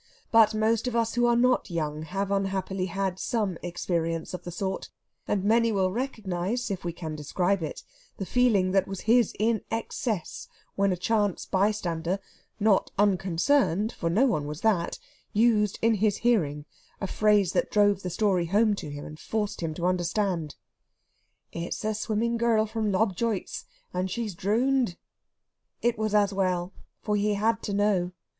But most of us who are not young have unhappily had some experience of the sort, and many will recognise (if we can describe it) the feeling that was his in excess when a chance bystander not unconcerned, for no one was that used in his hearing a phrase that drove the story home to him, and forced him to understand. "It's the swimming girl from Lobjoit's, and she's drooned." It was as well, for he had to know.